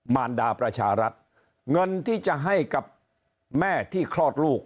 มารดาประชารัฐเงินที่จะให้กับแม่ที่คลอดลูก